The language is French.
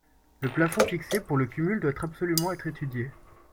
Le plafond fixé pour le cumul doit absolument être étudié.